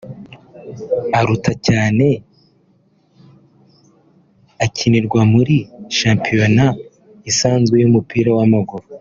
aruta cyane akinirwa muri shampiyona isanzwe y’umupira w’amaguru